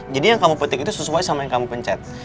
jadi yang kamu petik itu sesuai sama yang kamu pencet